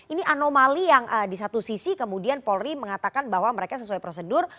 ini anomali yang di satu sisi kemudian polri mengatakan bahwa mereka sesuai prosedur